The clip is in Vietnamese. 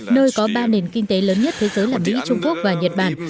nơi có ba nền kinh tế lớn nhất thế giới là mỹ trung quốc và nhật bản